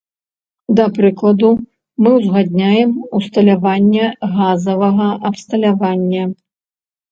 Да прыкладу, мы ўзгадняем усталяванне газавага абсталявання.